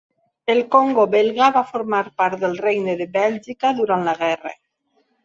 El Congo Belga va formar part del Regne de Bèlgica durant la guerra.